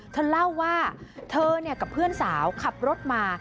เธอเล่าว่าเธอกับเพื่อนสาวขับรถมา